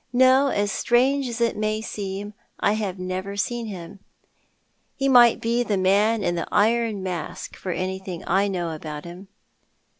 No, strange as it may seem, I have never seen him. He might be the man in the iron mask for anything I know about him."